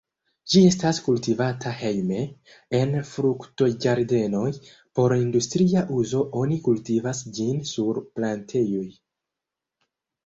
Ĝi estas kultivata hejme, en fruktoĝardenoj, por industria uzo oni kultivas ĝin sur plantejoj.